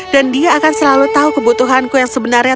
dan dia akan selalu tahu kebutuhanku yang sebenarnya